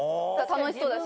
楽しそうだし。